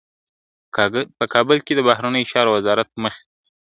په کابل کي د بهرنیو چارو وزارت مخي ته ..